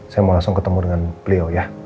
saya mau langsung ketemu dengan beliau ya